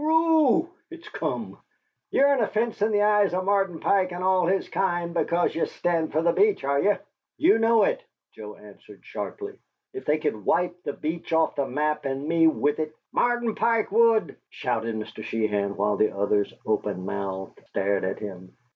Whooroo! It's come! Ye're an offence in the eyes o' Martin Pike and all his kind because ye stand fer the Beach, are ye?" "You know it!" Joe answered, sharply. "If they could wipe the Beach off the map and me with it " "Martin Pike would?" shouted Mr. Sheehan, while the others, open mouthed, stared at him.